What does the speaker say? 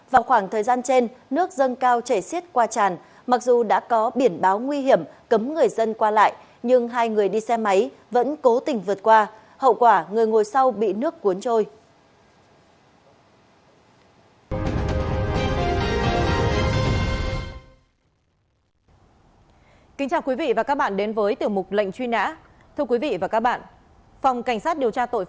vào khoảng thời gian trên nước dân cao chảy xiết qua tràn mặc dù đã có biển báo nguy hiểm cấm người dân qua lại nhưng hai người đi xe máy vẫn cố tình vượt qua hậu quả người ngồi sau bị nước cuốn trôi